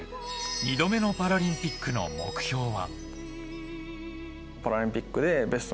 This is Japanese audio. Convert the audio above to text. ２度目のパラリンピックの目標は。